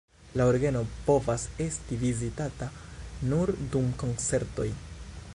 La orgeno povas esti vizitata nur dum koncertoj.